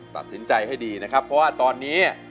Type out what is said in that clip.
ตัดสินใจให้ดีนะครับเพราะว่าตอนนี้